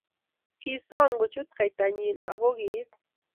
kisom kochut kaitanyin, ako kieet?